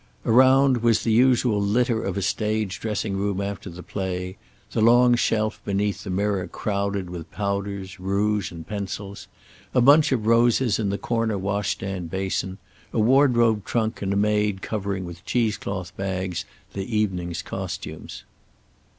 Around was the usual litter of a stage dressing room after the play, the long shelf beneath the mirror crowded with powders, rouge and pencils, a bunch of roses in the corner washstand basin, a wardrobe trunk, and a maid covering with cheese cloth bags the evening's costumes.